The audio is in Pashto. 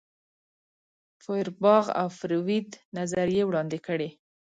فوئرباخ او فروید نظریې وړاندې کړې.